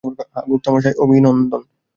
হ্যাঁ, গুপ্তামশাই, অভিনন্দন।